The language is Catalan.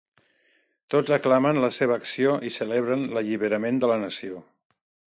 Tots aclamen la seva acció i celebren l'alliberament de la nació.